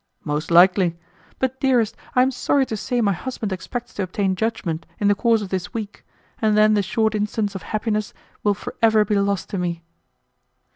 "Most likely; but, dearest, I am sorry to say my husband expects to obtain judgment in the course of this week, and then the short instants of happiness will for ever be lost to me."